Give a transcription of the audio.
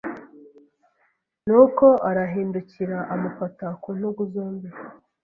ni uko arahindukira amufata ku ntugu zombi.